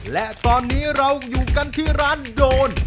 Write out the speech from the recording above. และตอนนี้เราอยู่กันที่ร้านโดน